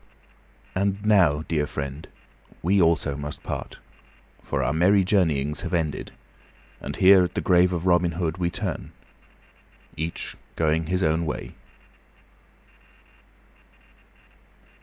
And now, dear friend, we also must part, for our merry journeyings have ended, and here, at the grave of Robin Hood, we turn, each going his own way.